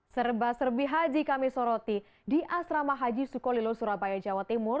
serba serbi haji kami soroti di asrama haji sukolilo surabaya jawa timur